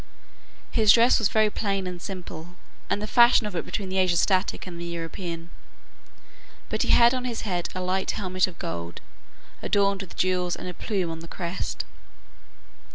His dress was very plain and simple, and the fashion of it between the Asiatic and the European; but he had on his head a light helmet of gold, adorned with jewels, and a plume on the crest.